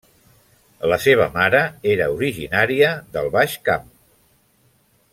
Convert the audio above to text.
La seva mare era originària del Baix Camp.